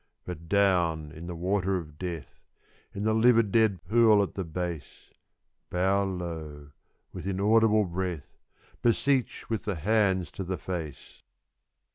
But down in the water of death, in the livid, dead pool at the base _Bow low, with inaudible breath, beseech with the hands to the face!